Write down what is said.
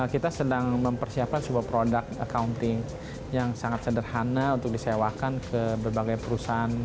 kita sedang mempersiapkan sebuah produk accounting yang sangat sederhana untuk disewakan ke berbagai perusahaan